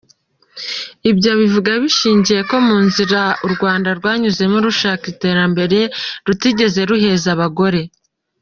Ibyo abivuga abishingiye ko mu nzira u Rwanda rwanyuzemo rushaka iterambere rutigeze ruheza abagore.